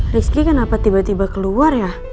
rizky kenapa tiba tiba keluar ya